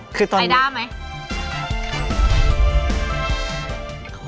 ไอด้าไหม